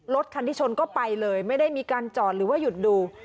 รถคันที่ชนก็ไปเลยไม่ได้มีการจอดหรือว่าหยุดดู